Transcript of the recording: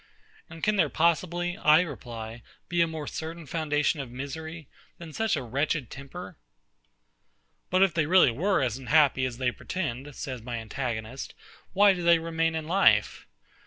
And can there possibly, I reply, be a more certain foundation of misery, than such a wretched temper? But if they were really as unhappy as they pretend, says my antagonist, why do they remain in life?...